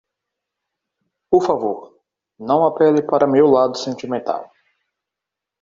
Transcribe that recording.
Por favor, não apele para o meu lado sentimental.